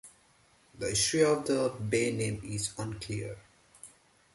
The history of the bay name is unclear.